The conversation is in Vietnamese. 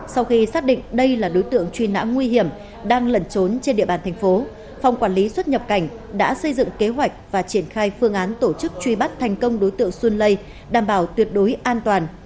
sau khi xác định đây là đối tượng truy nã nguy hiểm đang lẩn trốn trên địa bàn thành phố phòng quản lý xuất nhập cảnh đã xây dựng kế hoạch và triển khai phương án tổ chức truy bắt thành công đối tượng xuân lây đảm bảo tuyệt đối an toàn